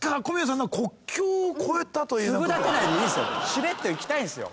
しれっといきたいんですよ。